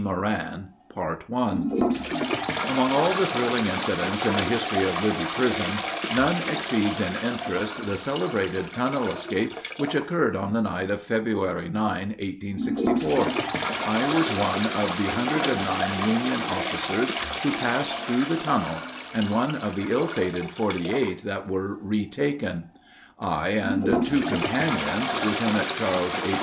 MORAN Among all the thrilling incidents in the history of Libby Prison, none exceeds in interest the celebrated tunnel escape which occurred on the night of February 9, 1864. I was one of the 109 Union officers who passed through the tunnel, and one of the ill fated 48 that were retaken. I and two companions Lieutenant Charles H.